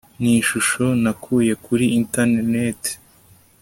ni ishusho nakuye kuri enterineti